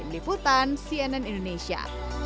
diliputan cnn indonesia